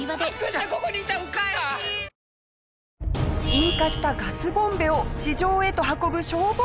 引火したガスボンベを地上へと運ぶ消防士。